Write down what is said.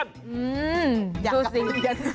อยากกับผู้เรียน